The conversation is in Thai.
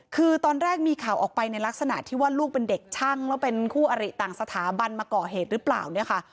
คือตอนแรกมีข่าวออกไปในลักษณะที่ว่าลูกเป็นเด็กช่างแล้วเป็นคู่อริต่างสถาบันมาก่อเหตุหรือเปล่าเนี่ยค่ะ